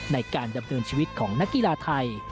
ในการดำเนินชีวิตของนักกีฬาไทย